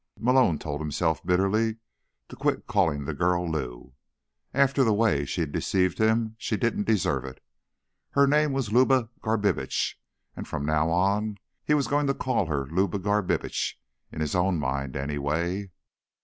Malone told himself bitterly to quit calling the girl Lou. After the way she'd deceived him, she didn't deserve it. Her name was Luba Garbitsch, and from now on he was going to call her Luba Garbitsch. In his own mind, anyway.